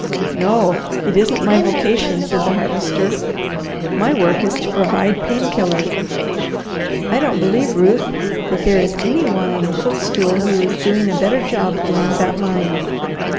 "No! It isn't my vocation," said the Harvester. "My work is to provide pain killer. I don't believe, Ruth, that there is any one on the footstool who is doing a better job along that line.